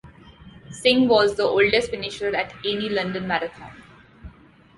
Singh was the oldest finisher at any London Marathon.